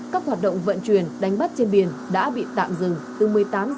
các hoạt động vận truyền đánh bắt trên biển đã bị tạm dừng từ một mươi tám h ngày hai mươi năm tháng một mươi